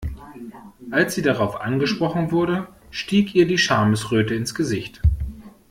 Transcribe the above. Als sie darauf angesprochen wurde, stieg ihr die Schamesröte ins Gesicht.